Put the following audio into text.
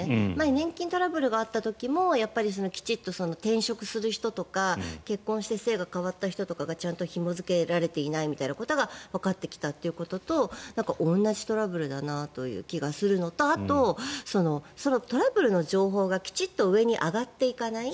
年金問題があった時も転職する人とか結婚して姓が変わった人とかがひも付けられていないことがわかってきたということと同じトラブルだなという気がするのとあと、トラブルの情報がきちんと上に上がっていかない。